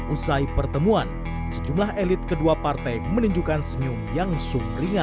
usai pertemuan sejumlah elit kedua partai menunjukkan senyum yang supringan